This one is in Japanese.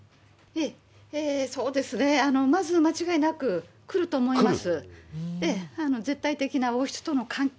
そうですね、まず間違いなく来ると思います。